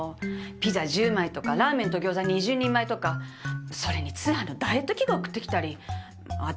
ピザ１０枚とかラーメンとギョーザ２０人前とかそれに通販のダイエット器具送ってきたり私